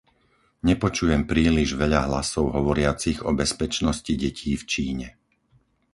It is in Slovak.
Nepočujem príliš veľa hlasov hovoriacich o bezpečnosti detí v Číne.